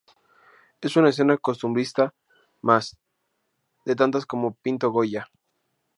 Es una escena costumbrista más, de tantas como pintó Goya.